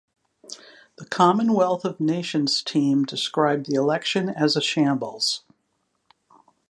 The Commonwealth of Nations team described the election as a 'shambles'.